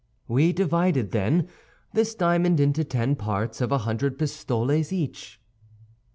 "We divided, then, this diamond into ten parts of a hundred pistoles each."